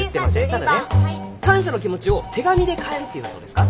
ただね感謝の気持ちを手紙で代えるっていうのはどうですか？